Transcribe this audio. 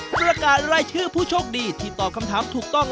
ประกาศรายชื่อผู้โชคดีที่ตอบคำถามถูกต้อง